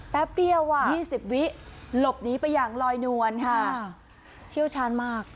แป๊บเดียวอ่ะยี่สิบวิหลบนี้ไปอย่างลอยนวลค่ะชิ้วช้านมาก